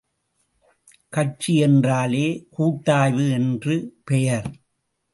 கட்சி என்றாலே கூட்டாய்வு என்று பெயர்.